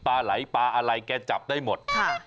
ปลาไหลปลาอะไรแกจับได้หมด